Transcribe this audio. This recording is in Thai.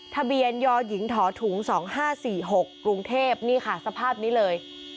ทะเบียนยหญิงถอถุง๒๕๔๖กรุงเทพนี่ค่ะสภาพนี้เลย